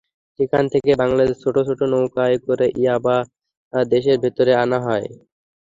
সেখান থেকে বাংলাদেশের ছোট ছোট নৌকায় করে ইয়াবা দেশের ভেতরে আনা হয়।